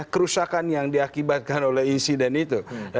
kerusakan yang diakibatkan oleh insiden itu